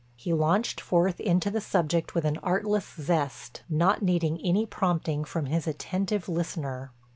He launched forth into the subject with an artless zest, not needing any prompting from his attentive listener.